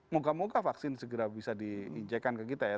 moga moga vaksin segera bisa diinjekan ke kita ya